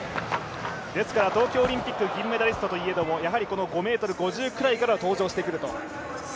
東京オリンピック銀メダリストといえども５ｍ５０くらいから登場してくると。